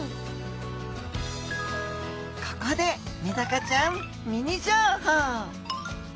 ここでメダカちゃんミニ情報！